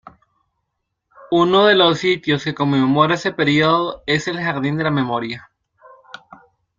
Uno de los sitios que conmemora ese período es el Jardín de la Memoria.